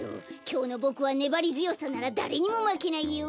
きょうのボクはねばりづよさならだれにもまけないよ。